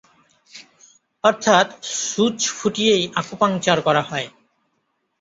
অর্থাৎ সুচ ফুটিয়েই আকুপাঙ্কচার করা হয়।